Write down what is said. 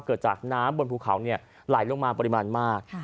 เกิดจากน้ำบนภูเขาไหลลงมาปริมาณมาก